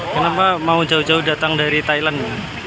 kenapa mau jauh jauh datang dari thailand